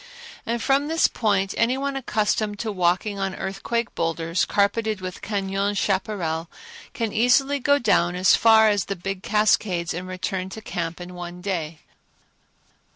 And from this point any one accustomed to walking on earthquake boulders, carpeted with cañon chaparral, can easily go down as far as the big cascades and return to camp in one day.